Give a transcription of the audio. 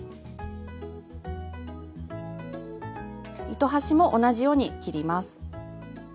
糸端も同じように切ります。